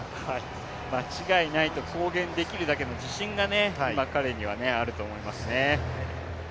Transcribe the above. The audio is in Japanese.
間違いないと公言できるだけの自信が今彼にはあると思いますね。